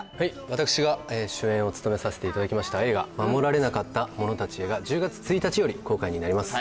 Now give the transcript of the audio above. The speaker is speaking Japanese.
私が主演を務めさせていただきました映画「護られなかった者たちへ」が１０月１日より公開になります